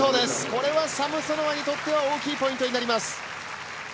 これはサムソノワにとっては大きいポイントになります。